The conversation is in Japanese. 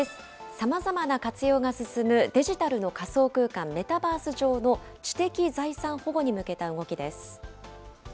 さまざまな活用が進むデジタルの仮想空間、メタバース上の知的財産保護に向けた動きです。